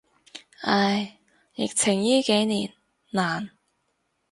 唉，疫情依幾年，難。